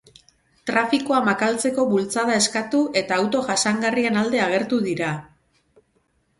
Trafikoa makaltzeko bultzada eskatu eta auto jasangarrien alde agertu dira.